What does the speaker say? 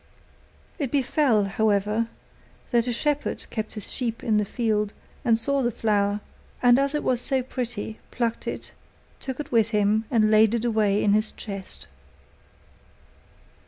It befell, however, that a shepherd kept his sheep in the field and saw the flower, and as it was so pretty, plucked it, took it with him, and laid it away in his chest.